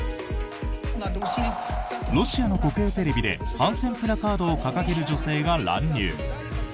ロシアの国営テレビで反戦プラカードを掲げる女性が乱入。